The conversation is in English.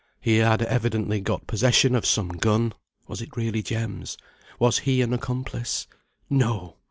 He had evidently got possession of some gun (was it really Jem's; was he an accomplice? No!